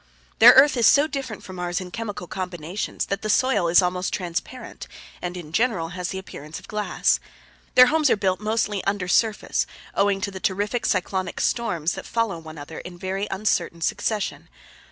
Their earth is so different from ours in chemical combinations that the soil is almost transparent and in general has the appearance of glass. Their homes are built mostly under surface, owing to the terrific cyclonic storms that follow one another in very uncertain succession.